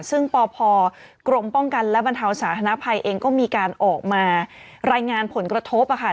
ซึ่งปพกรมป้องกันและบรรเทาสาธารณภัยเองก็มีการออกมารายงานผลกระทบค่ะ